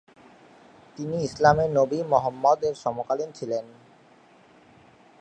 তিনি ইসলামের নবি মুহাম্মাদ-এর সমকালীন ছিলেন।